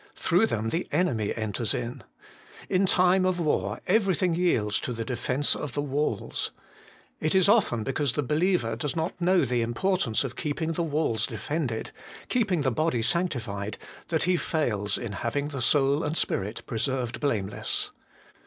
Through them the enemy enters in. In time of war, everything yields to the defence of the walls. It is often because the believer does not know the importance of keeping the walls defended, keeping the body sanctified, that he fails in having the soul and spirit preserved blameless.